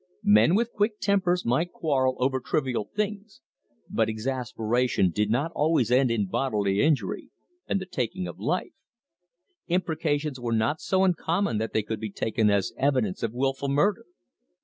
Men with quick tempers might quarrel over trivial things, but exasperation did not always end in bodily injury and the taking of life; imprecations were not so uncommon that they could be taken as evidence of wilful murder.